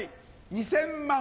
２０００万